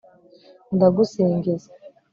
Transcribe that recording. ndagusingiza